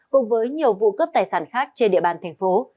cùng với nhiều vụ cướp tài sản khác trên địa bàn thành phố